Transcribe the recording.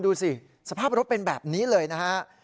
ดูสิสภาพรถเป็นแบบนี้เลยนะฮะ